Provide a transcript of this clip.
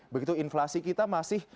begitu inflasi kita masih